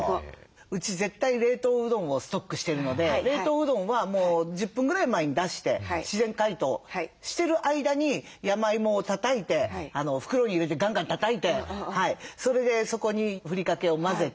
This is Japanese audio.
うち絶対冷凍うどんをストックしてるので冷凍うどんはもう１０分ぐらい前に出して自然解凍してる間に山芋をたたいて袋に入れてガンガンたたいてそれでそこにふりかけを混ぜて。